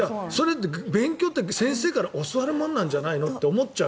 勉強って先生から教わるものなんじゃないのって思っちゃう。